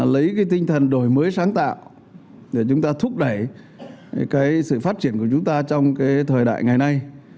lấy cái tinh thần đổi mới sáng tạo để chúng ta thúc đẩy cái sự phát triển của chúng ta trong cái thời đại ngày nay